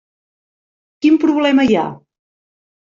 Quin problema hi ha?